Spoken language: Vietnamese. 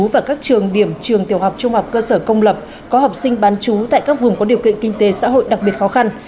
và các trường điểm trường tiểu học trung học cơ sở công lập có học sinh bán chú tại các vùng có điều kiện kinh tế xã hội đặc biệt khó khăn